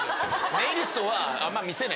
ネイリストはあんま見せない。